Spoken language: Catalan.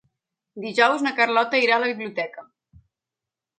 Dijous na Carlota irà a la biblioteca.